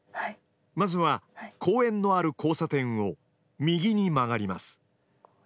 まずは公園のある交差点を右に曲がります。